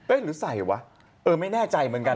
หรือใส่วะเออไม่แน่ใจเหมือนกัน